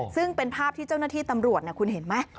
ซึ่งเป็นภาพที่เจ้าหน้าที่ตำรวจคุณเห็นไหม